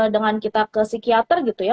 dengan kita ke psikiater gitu ya